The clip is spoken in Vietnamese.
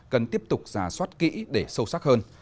cần tiếp tục ra soát kỹ để sâu sắc hơn